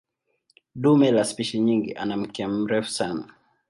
Dume la spishi nyingi ana mkia mrefu sana.